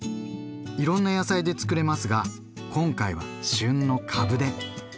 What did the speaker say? いろんな野菜でつくれますが今回は旬の「かぶ」で。